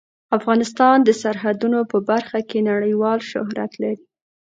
افغانستان د سرحدونه په برخه کې نړیوال شهرت لري.